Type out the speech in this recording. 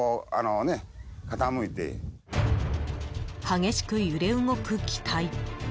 激しく揺れ動く機体。